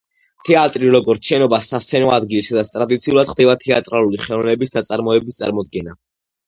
თეატრი, როგორც შენობა, სასცენო ადგილი, სადაც ტრადიციულად ხდება თეატრალური ხელოვნების ნაწარმოების წარმოდგენა.